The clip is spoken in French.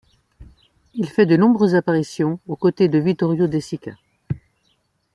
Il fait de nombreuses apparitions aux côtés de Vittorio De Sica.